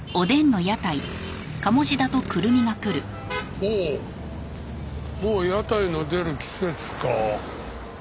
おおもう屋台の出る季節か。